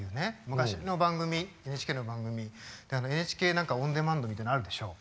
昔のＮＨＫの番組ＮＨＫオンデマンドみたいなのあるでしょう。